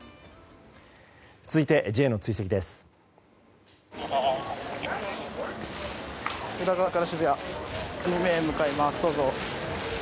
続いてＪの追跡です。